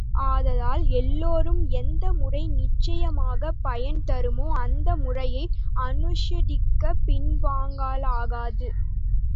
ஆதலால் எல்லோரும் எந்த முறை நிச்சயமாகப் பயன் தருமோ, அந்த முறையை அனுஷ்டிக்கப் பின்வாங்கலாகாது.